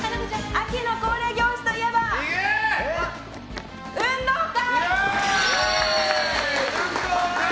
秋の恒例行事といえば運動会！